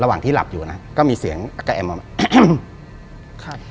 ระหว่างที่หลับอยู่นะก็มีเสียงกระแอมออกมา